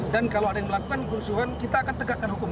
dan kalau ada yang melakukan kursuhan kita akan tegakkan hukum